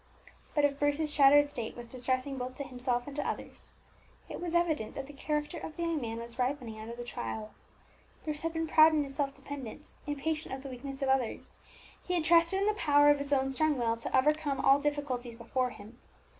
But if Bruce's shattered state was distressing both to himself and to others, it was evident that the character of the young man was ripening under the trial. Bruce had been proud in his self dependence, impatient of the weakness of others; he had trusted in the power of his own strong will to overcome all difficulties before him.